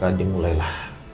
kapa kapa kapa